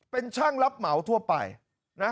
เป็นช่างรับเหมาทั่วไปนะ